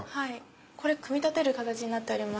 組み立てる形になっております。